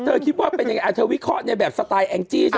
เธอคิดว่าเป็นยังไงวิเคราะห์ในสไตล์แองจี้